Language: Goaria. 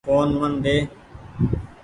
ڦون من ۮي۔